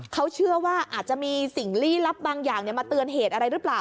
เขาเชื่อว่าอาจจะมีสิ่งลี้ลับบางอย่างมาเตือนเหตุอะไรหรือเปล่า